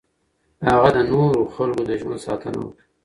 هغه د نورو خلکو د ژوند ساتنه وکړه.